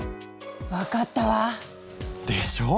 ・分かったわ！でしょう？